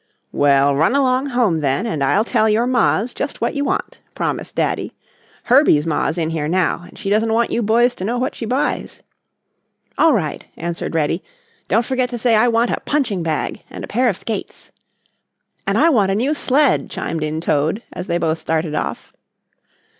"Well, run along home then, and I'll tell your mas just what you want," promised Daddy. "Herbie's ma's in here now and she doesn't want you boys to know what she buys." "All right," answered Reddy. "Don't forget to say I want a punching bag and a pair of skates." "And I want a new sled," chimed in Toad, as they both started off.